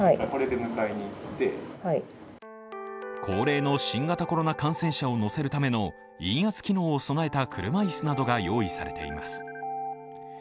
高齢の新型コロナ感染者を乗せるための陰圧機能を備えた車椅子などが用意されています。